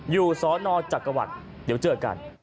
สนจักรวรรดิเดี๋ยวเจอกัน